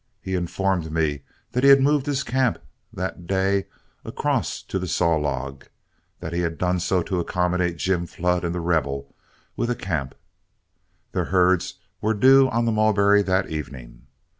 He informed me that he had moved his camp that day across to the Saw Log; that he had done so to accommodate Jim Flood and The Rebel with a camp; their herds were due on the Mulberry that evening.